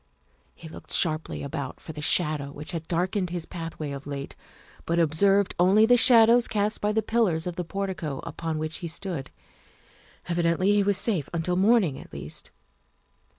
He looked sharply about for the shadow which had darkened his pathway of late, but observed only the shadows cast by the pillars of the portico upon which he stood. Evidently he was safe until morning at least.